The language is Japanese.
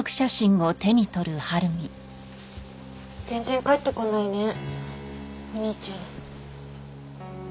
全然帰ってこないねお兄ちゃん。